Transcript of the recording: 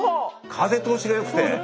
風通しがよくて。